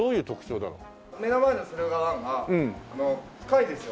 目の前の駿河湾が深いんですよ